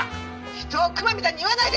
人をクマみたいに言わないで！